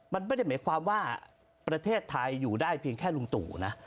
มันไม่ได้หมายความว่าประเทศไทยอยู่ได้เพียงแค่ลุงตู่นะ